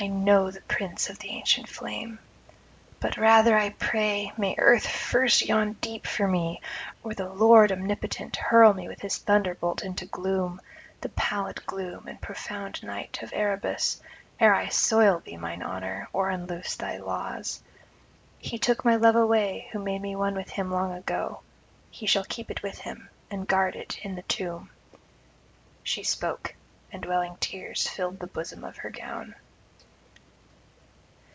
I know the prints of the ancient flame. But rather, I pray, may earth first yawn deep for me, or the Lord omnipotent hurl me with his thunderbolt into gloom, the pallid gloom and profound night of Erebus, ere I soil thee, mine honour, or unloose thy laws. He took my love away who made me one with him long ago; he shall keep it with him, and guard it in the tomb.' She spoke, and welling tears filled the bosom of her gown.